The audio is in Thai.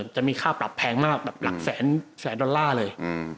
จะมีค่าปรับแพงมากแบบหลักแสนดอลลาร์เลย